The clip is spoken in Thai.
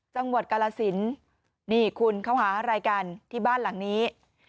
จังหวัดกาลสินนี่คุณเขาหาอะไรกันที่บ้านหลังนี้